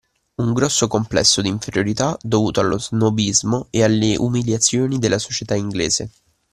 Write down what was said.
Un grosso complesso di inferiorità dovuto allo snobismo e alle umiliazioni della società inglese.